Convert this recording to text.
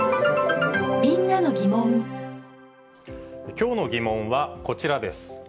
きょうの疑問はこちらです。